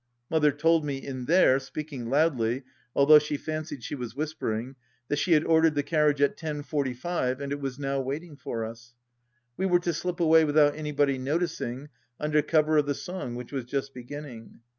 Mother told me, in there, speaking loudly, although she fancied she was whisper ing, that she had ordered the carriage at 10"45, and it was now waiting for us. We were to slip away without anybody noticing, under cover of the song which was just beginning.